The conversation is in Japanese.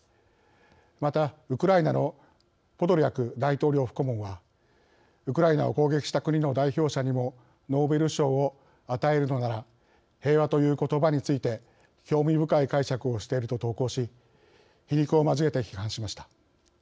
また、ウクライナのポドリャク大統領府顧問は「ウクライナを攻撃した国の代表者にもノーベル賞を与えるのなら平和という言葉について興味深い解釈をしている」と投稿し皮肉を交えて批判しました。